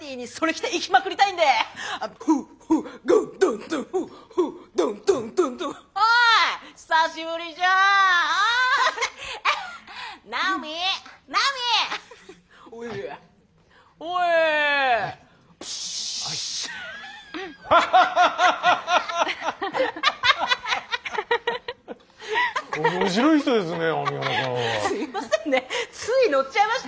すいませんねついノッちゃいましたよ。